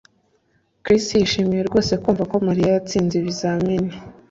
Chris yishimiye rwose kumva ko Mariya yatsinze ibizamini